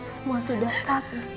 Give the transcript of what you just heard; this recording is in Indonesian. ini semua sudah jalan dari allah ma